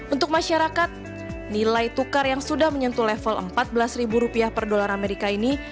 untuk masyarakat nilai tukar yang sudah menyentuh level empat belas rupiah per dolar amerika ini